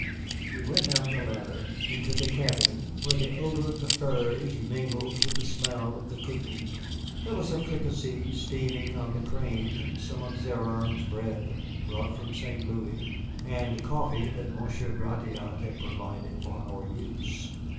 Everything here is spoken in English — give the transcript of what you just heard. We went down the ladder into the cabin, where the odor of the furs mingled with the smell of the cooking. There was a fricassee steaming on the crane, some of Zéron's bread, brought from St. Louis, and coffee that Monsieur Gratiot had provided for our use.